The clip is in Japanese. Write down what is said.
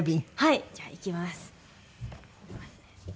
じゃあいきます。